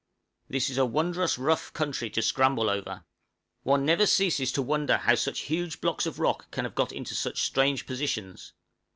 This is a wonderous rough country to scramble over; one never ceases to wonder how such huge blocks of rock can have got into such strange positions.